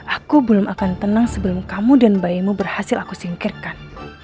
aku belum akan tenang sebelum kamu dan bayimu berhasil aku singkirkan